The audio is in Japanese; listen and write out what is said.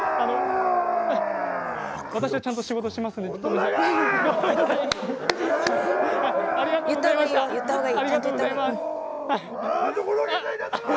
私はちゃんと仕事をしますので。